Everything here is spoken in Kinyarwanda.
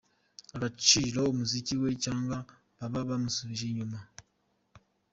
agaciro umuziki we cyangwa baba bamusubije inyuma?.